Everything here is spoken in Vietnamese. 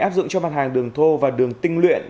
áp dụng cho mặt hàng đường thô và đường tinh luyện